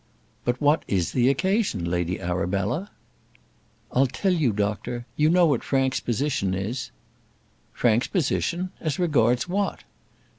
"But what is the occasion, Lady Arabella?" "I'll tell you, doctor. You know what Frank's position is?" "Frank's position! as regards what?"